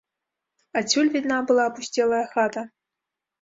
Адсюль відна была апусцелая хата.